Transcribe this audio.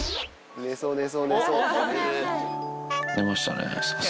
寝ましたね。